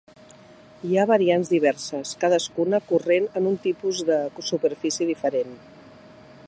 Hi ha variants diverses, cadascuna corrent en un tipus de superfície diferent.